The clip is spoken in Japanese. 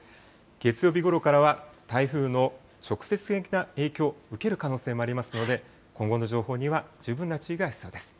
月曜日ごろからは台風の直接的な影響、受ける可能性もありますので、今後の情報には十分な注意が必要です。